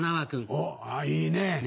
おっいいね。